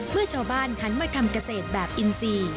เมื่อชาวบ้านหันมาทำเกษตรแบบอินซี